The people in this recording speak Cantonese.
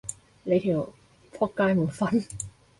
你條僕街滿分？